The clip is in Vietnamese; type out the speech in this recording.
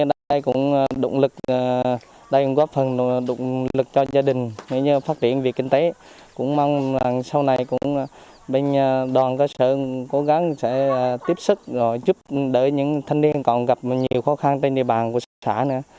anh thọ cũng mong đoàn cơ sở tiếp sức giúp đỡ những thanh niên còn gặp nhiều khó khăn trên địa bàn của xã